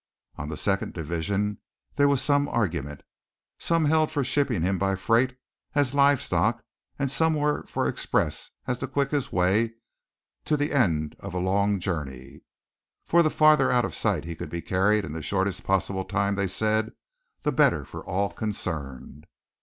On the second division there was some argument. Some held for shipping him by freight, as livestock, and some were for express as the quickest way to the end of a long journey. For the farther out of sight he could be carried in the shortest possible time, they said, the better for all concerned.